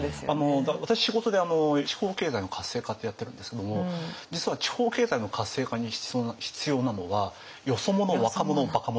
私仕事で地方経済の活性化ってやってるんですけども実は地方経済の活性化に必要なのはよそ者若者バカ者